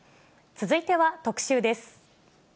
続いては特集です。